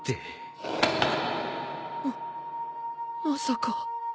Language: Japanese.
ままさか。